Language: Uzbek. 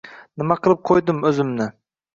Nima qilib qoʻydim oʻzimni?